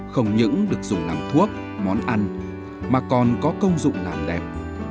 không những được dùng làm thuốc món ăn mà còn có công dụng làm đẹp